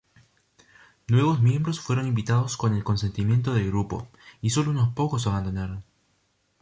Nuevos miembros fueron invitados con el consentimiento del grupo, y sólo unos pocos abandonaron.